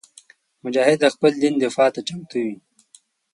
مجاهد د خپل دین دفاع ته چمتو وي.